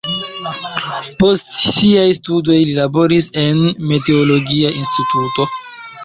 Post siaj studoj li laboris en meteologia instituto.